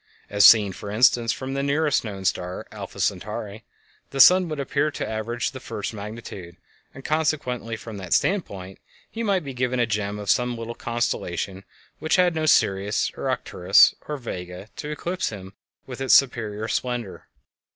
As seen, for instance, from the nearest known star, Alpha Centauri, the sun would appear of the average first magnitude, and consequently from that standpoint he might be the gem of some little constellation which had no Sirius, or Arcturus, or Vega to eclipse him with its superior splendor.